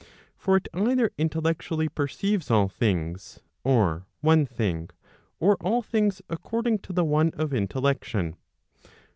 For it either intellectually perceives all things, or one thing, or all things according to the one of intellection.